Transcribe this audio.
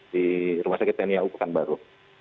di rumah sakit tni yang ukuran baru